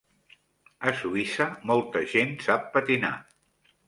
A Suïssa molta gent sap patinar.